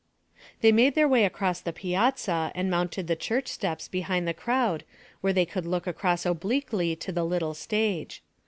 They made their way across the piazza and mounted the church steps behind the crowd where they could look across obliquely to the little stage.